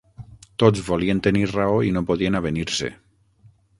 Tots volien tenir raó i no podien avenir-se.